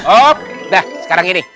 udah sekarang ini